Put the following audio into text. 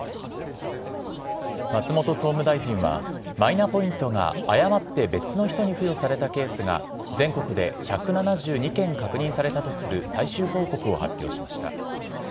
松本総務大臣は、マイナポイントが誤って別の人に付与されたケースが、全国で１７２件確認されたとする最終報告を発表しました。